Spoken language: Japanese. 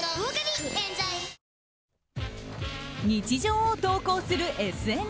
日常を投稿するＳＮＳ。